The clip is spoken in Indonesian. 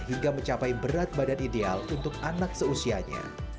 hingga mencapai berat badan ideal untuk anak seusianya